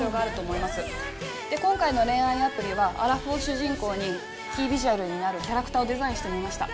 で今回の恋愛アプリはアラフォーを主人公にキービジュアルになるキャラクターをデザインしてみました。